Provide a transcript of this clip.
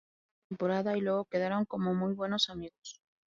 Salieron por una temporada y luego quedaron como muy buenos amigos.